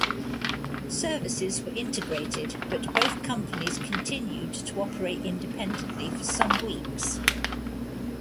Services were integrated but both companies continued to operate independently for some weeks.